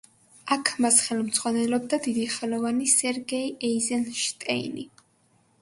აქ მას ხელმძღვანელობდა დიდი ხელოვანი სერგეი ეიზენშტეინი.